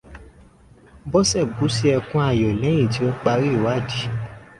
Bọ́sẹ̀ bú sí ẹkun ayọ̀ lẹ́yin tí ó parí ìwádìí.